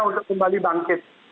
untuk kembali bangkit